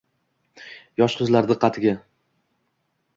- yoshli qizlar diqqatiga